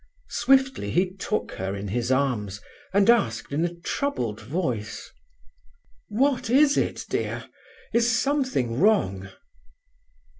Swiftly he took her in his arms, and asked in a troubled voice: "What is it, dear? Is something wrong?"